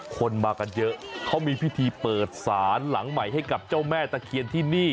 คนมากันเยอะเขามีพิธีเปิดศาลหลังใหม่ให้กับเจ้าแม่ตะเคียนที่นี่